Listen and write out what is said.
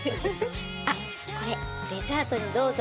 あっこれデザートにどうぞ。